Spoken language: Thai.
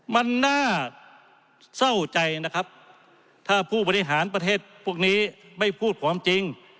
มันน่าเศร้าใจนะครับถ้าผู้บริหารประเทศพวกนี้ไม่พูดความจริง